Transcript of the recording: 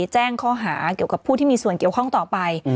แจ้งข้อหาเกี่ยวกับผู้ที่มีส่วนเกี่ยวข้องต่อไป